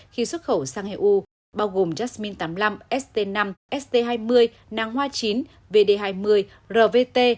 khi xuất khẩu sang eu bao gồm jasmine tám mươi năm st năm st hai mươi nang hoa chín vd hai mươi rvt